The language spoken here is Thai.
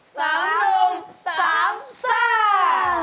สามหนุ่มสามส้า